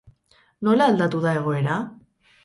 Nola aldatu da egoera?